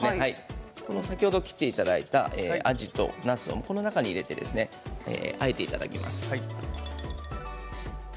先ほど切っていただいたあじとなすを、この中に入れてあえていただきます。